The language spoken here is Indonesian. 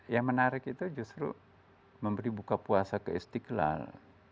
yang menarik itu justru memberi buka puasa ke istiqlal